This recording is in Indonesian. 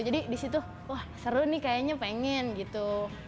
jadi disitu wah seru nih kayaknya pengen gitu